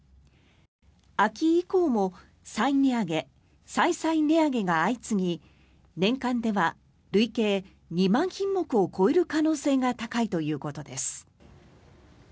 秋以降も再値上げ、再々値上げが相次ぎ年間では累計２万品目を超える可能性が高いということです。